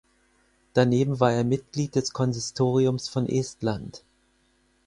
Daneben war er Mitglied des Konsistoriums von Estland.